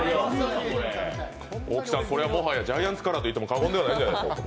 大木さん、これはもはやジャイアンツカラーといっても過言ではないんじゃないですか？